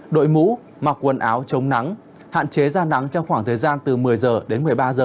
đội mũ mặc quần áo chống nắng hạn chế ra nắng trong khoảng thời gian từ một mươi h đến một mươi ba h